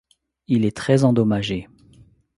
Il est très endommagé.